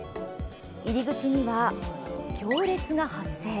入り口には、行列が発生。